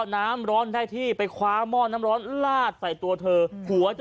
น้ำร้อนได้ที่ไปคว้าหม้อน้ำร้อนลาดใส่ตัวเธอหัวจะ